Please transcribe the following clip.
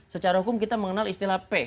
secara hukum kita mengenal istilah p